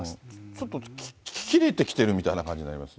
ちょっと切れてきてるみたいな感じに。